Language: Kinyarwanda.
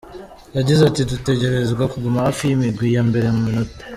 Yagize ati: "Dutegerezwa kuguma hafi y'imigwi ya mbere mu manota.